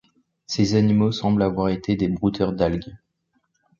Ces animaux semblent avoir été des brouteurs d'algues.